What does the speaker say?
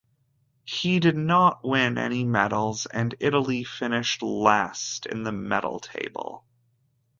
He did not win any medals and Italy finished last in the medal table.